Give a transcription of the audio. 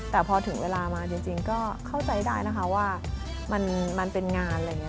แต่พอถึงเวลามาจริงก็เข้าใจได้ว่ามันเป็นงาน